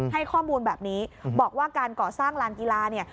ให้ข้อมูลแบบนี้บอกว่าการก่อสร้างลานกีฬาเนี่ย